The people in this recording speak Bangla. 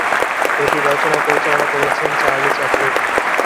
এটি রচনা ও পরিচালনা করেছেন চার্লি চ্যাপলিন।